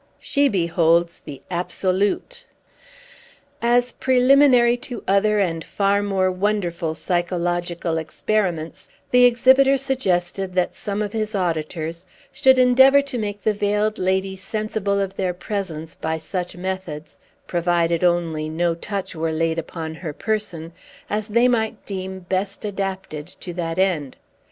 She beholds the Absolute!" As preliminary to other and far more wonderful psychological experiments, the exhibitor suggested that some of his auditors should endeavor to make the Veiled Lady sensible of their presence by such methods provided only no touch were laid upon her person as they might deem best adapted to that end.